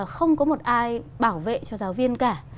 không có một ai bảo vệ cho giáo viên cả